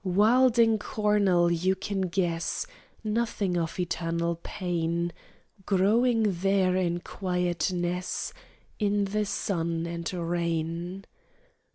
"Wilding cornel, you can guess Nothing of eternal pain, Growing there in quietness In the sun and rain."